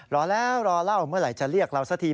รอแล้วรอเล่าเมื่อไหร่จะเรียกเราสักที